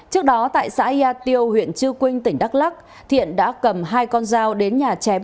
trước đó tại xã yà tiêu huyện chư quynh tỉnh đắk lắc thiện đã cầm hai con dao đến nhà chém